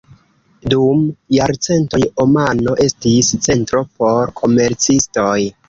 Dum jarcentoj, Omano estis centro por komercistoj.